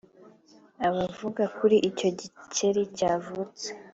Abavuga kuri icyo gikeri cyavutse